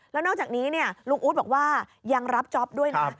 แล้วนอกจากนี้ลุงอู๊ดบอกว่ายังรับจ๊อปด้วยนะ